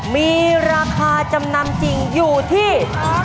มีราคาจำนำจริงอยู่ที่